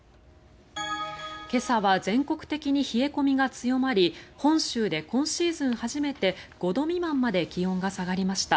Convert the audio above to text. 今朝は全国的に冷え込みが強まり本州で今シーズン初めて５度未満まで気温が下がりました。